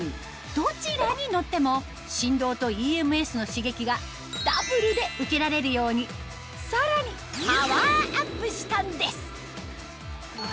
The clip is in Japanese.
どちらに乗っても振動とＥＭＳの刺激がダブルで受けられるようにさらにパワーアップしたんです